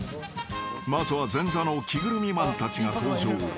［まずは前座の着ぐるみマンたちが登場］